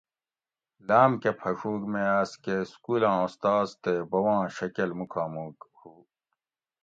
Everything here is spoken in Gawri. لام کہ پھڛوگ مے آس کہ سکولاں استاز تے بوباں شکل موکاموک ہُو